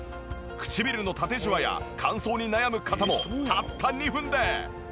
唇の縦ジワや乾燥に悩む方もたった２分で。